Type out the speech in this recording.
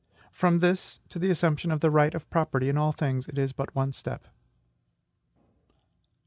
From this to the assumption of the right of property in all things, it is but one step.